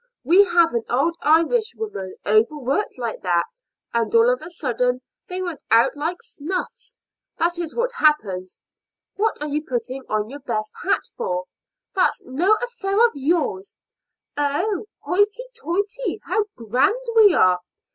"We have had old Irishwomen overworked like that, and all of a sudden they went out like snuffs: that is what happens. What are you putting on your best hat for?" "That is no affair of yours." "Oh, hoity toity, how grand we are!